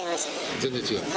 全然違う？